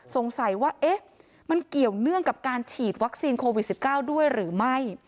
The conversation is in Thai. สงสัยว่ามันเกี่ยวเนื่องกับการฉีดวัคซีนโควิด๑๙ด้วยหรือไม่